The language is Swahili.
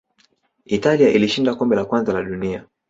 italia ilishinda kombe la kwanza la dunia